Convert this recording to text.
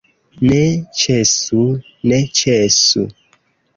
Ne ĉesu, ne ĉesu!